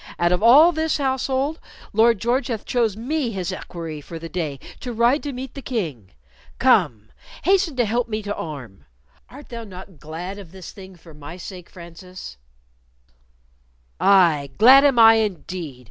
Out of all this household, Lord George hath chose me his equerry for the day to ride to meet the King. Come, hasten to help me to arm! Art thou not glad of this thing for my sake, Francis?" "Aye, glad am I indeed!"